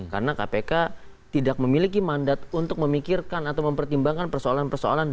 karena kpk tidak memiliki mandat untuk memikirkan atau mempertimbangkan persoalan persoalan